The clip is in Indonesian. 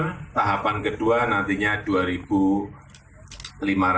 pembangunan bandara jenderal besar sudirman di kabupaten purbalingga seluas satu ratus lima belas hektare